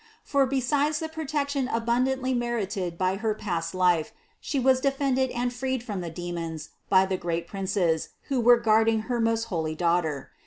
For besides the protection abundantly merited by her past life She was defended and freed from the demons by the great princes, who were guard ing her most holy Daughter.